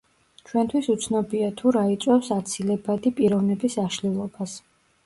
ჩვენთვის უცნობია თუ რა იწვევს აცილებადი პიროვნების აშლილობას.